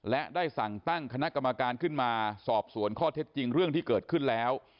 และได้สั่งตั้งคณะกรรมการขึ้นมาสอบสวนข้อเท็จจริงเรื่องที่เกิดขึ้นแล้ว